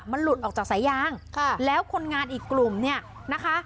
มันหลุดออกจากสายยางค่ะแล้วคนงานอีกกลุ่มเนี่ยนะคะ